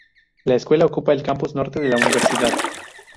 La escuela ocupa el campus norte de la Universidad.